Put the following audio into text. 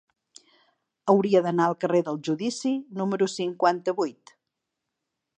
Hauria d'anar al carrer del Judici número cinquanta-vuit.